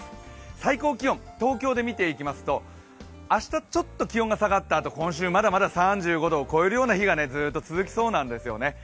最高気温、東京で見ていきますと明日ちょっと気温が下がって今週まだまだ３５度を超える日がずっと続きそうなんですよね。